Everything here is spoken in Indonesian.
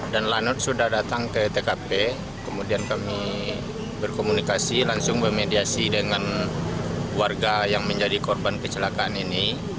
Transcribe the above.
dan lanut sudah datang ke tkp kemudian kami berkomunikasi langsung memediasi dengan warga yang menjadi korban kecelakaan ini